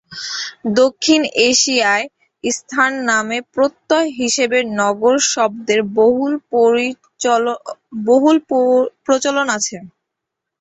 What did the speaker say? দক্ষিণ এশিয়ায় স্থান-নামে প্রত্যয় হিসেবে নগর শব্দের বহুল প্রচলন আছে।